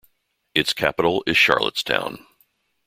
Its capital is Charlottetown.